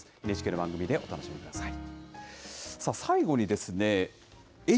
ＮＨＫの番組でお楽しみください。